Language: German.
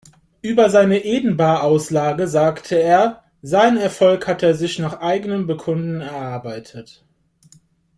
Über seine Eden-Bar-Auslage sagte er: Seinen Erfolg hat er sich nach eigenem Bekunden erarbeitet.